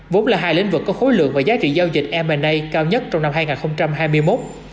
vốn là hai lĩnh vực có khối lượng và giá trị giao dịch m a cao nhất trong năm hai nghìn hai mươi một